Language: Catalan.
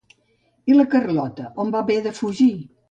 I Carlota on va haver de fugir?